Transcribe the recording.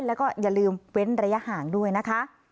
แล้วก็อย่าลืมเว้นระยะห่างด้วยนะคะ